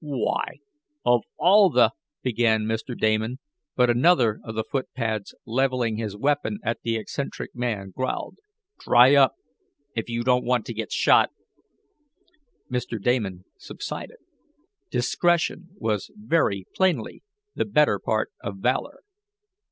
"Why of all the !" began Mr. Damon, but another of the footpads leveling his weapon at the eccentric man growled: "Dry up, if you don't want to get shot!" Mr. Damon subsided. Discretion was very plainly the better part of valor.